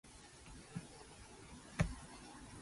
大丈夫ですか？